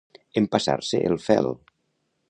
Empassar-se el fel.